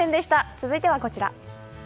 続いてはこちら。